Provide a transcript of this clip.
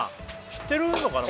知ってるのかな？